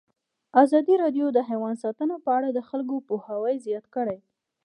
ازادي راډیو د حیوان ساتنه په اړه د خلکو پوهاوی زیات کړی.